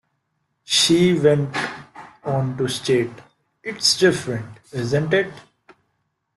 She went on to state: It's different, isn't it?